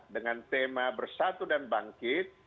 dengan tema bersatu dan bangkit